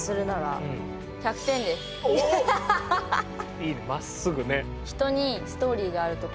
いいねまっすぐね。